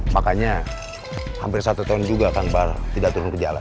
makanya hampir satu tahun juga kang bar tidak turun ke jalan